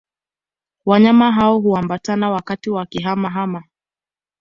Wanyama hao huambatana wakati wa kihama hama